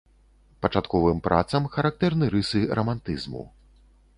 Пачатковым працам характэрны рысы рамантызму.